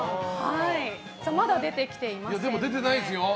まだ出てきていませんね。